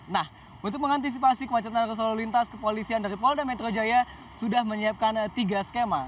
nah untuk mengantisipasi kemacetan arus lalu lintas kepolisian dari polda metro jaya sudah menyiapkan tiga skema